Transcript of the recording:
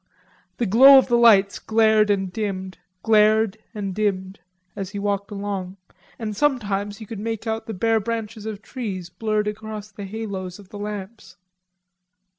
The glow of the lights glared and dimmed, glared and dimmed, as he walked along, and sometimes he could make out the bare branches of trees blurred across the halos of the lamps.